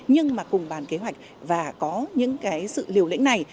nhưng mà cùng bàn kế hoạch và có những cái sự liều lĩnh này